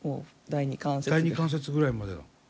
第２関節ぐらいまでだ。